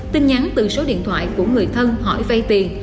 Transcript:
tin nhắn từ số điện thoại của người thân hỏi vay tiền